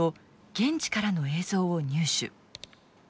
現地からの映像を入手。